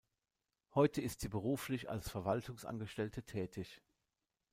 Heute ist sie beruflich als Verwaltungsangestellte tätig.